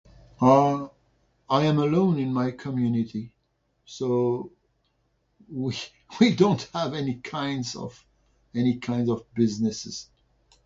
Uh, I am alone in my community, so we, we don't have any kinds of... any kinds of businesses.